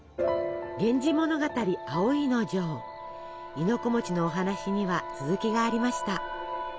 亥の子のお話には続きがありました。